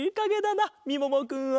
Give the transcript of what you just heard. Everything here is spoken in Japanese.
なみももくんは。